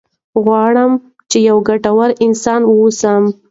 غواړم چې یو ګټور انسان واوسم.